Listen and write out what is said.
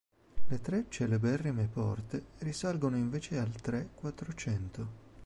Le tre celeberrime porte risalgono invece al Tre-Quattrocento.